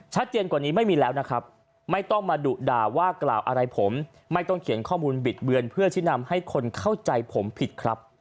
กว่านี้ไม่มีแล้วนะครับไม่ต้องมาดุด่าว่ากล่าวอะไรผมไม่ต้องเขียนข้อมูลบิดเบือนเพื่อที่นำให้คนเข้าใจผมผิดครับ